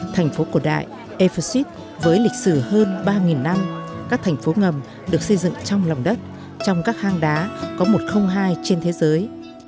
thành phố cổ đại ephesit với lịch sử hơn ba năm các thành phố ngầm được xây dựng trong lòng đất trong các hang đá có một trăm linh hai trên thế giới